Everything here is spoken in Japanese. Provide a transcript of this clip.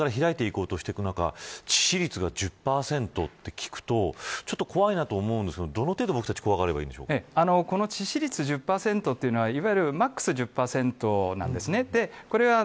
この中で、これから開いていこうとしている中致死率が１０％って聞くとちょっと怖いなと思うんですがどの程度、僕たちはこの致死率１０％というのはマックス１０％なんです。